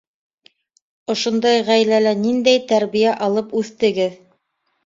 Ошондай ғаиләлә ниндәй тәрбиә алып үҫтегеҙ?